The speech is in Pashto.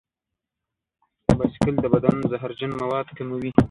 بایسکل د بدن زهرجن مواد کموي.